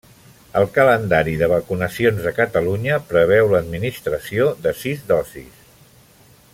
El calendari de vacunacions de Catalunya preveu l'administració de sis dosis.